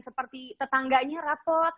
seperti tetangganya rapot